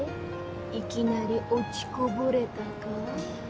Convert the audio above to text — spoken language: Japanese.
いきなり落ちこぼれたか？